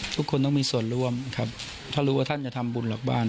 ทุกคนต้องมีส่วนร่วมครับถ้ารู้ว่าท่านจะทำบุญหลักบ้าน